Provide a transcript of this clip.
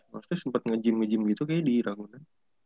maksudnya sempet nge gym gitu kayaknya di ranguna